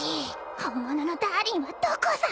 本物のダーリンはどこさ？